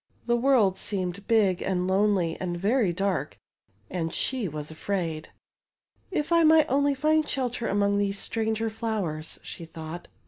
The world seemed big and lonely and very dark, and she was afraid. If I might only find shelter among these stranger flowers," she thought.